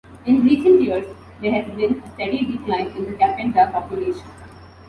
In recent years there has been a steady decline in the kapenta population.